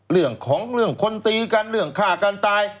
เรื่องของเรื่องคนตีกันเรื่องฆ่ากันตาย